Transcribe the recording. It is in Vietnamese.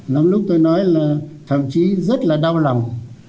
lắm lúc tôi nói là thậm chí rất là đau lòng